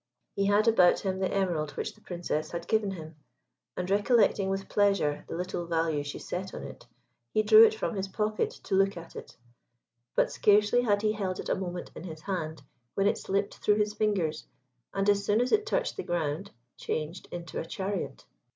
He had about him the emerald which the Princess had given him, and recollecting with pleasure the little value she set on it, he drew it from his pocket to look at it. But scarcely had he held it a moment in his hand when it slipped through his fingers, and, as soon as it touched the ground, changed into a chariot.